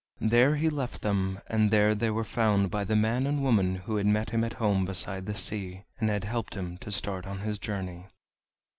There he left them, and there they were found by the man and woman who had met him at home beside the sea, and had helped him to start on his journey.